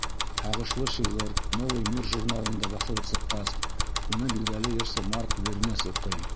Һағышлы шиғыр «Новый мир» журналында баҫылып сыҡҡас, уны билдәле йырсы Марк Бернес уҡый.